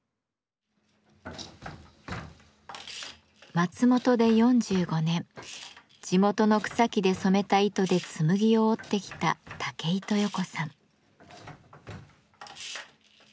松本で４５年地元の草木で染めた糸で紬を織ってきた武井豊子さん。